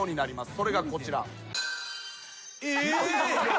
それがこちら。